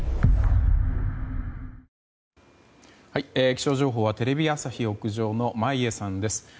気象情報はテレビ朝日屋上の眞家さんです。